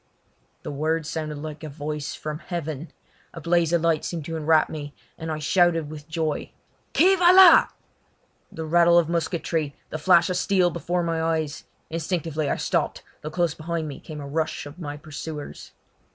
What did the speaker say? The words sounded like a voice from heaven. A blaze of light seemed to enwrap me, and I shouted with joy. "Qui va la?" The rattle of musketry, the flash of steel before my eyes. Instinctively I stopped, though close behind me came a rush of my pursuers.